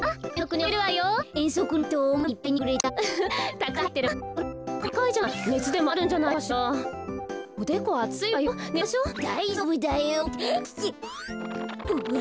ねつでもあるんじゃないかしら。